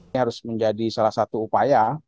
ini harus menjadi salah satu upaya